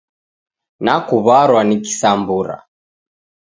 Nakuw'arwa ni kisambura.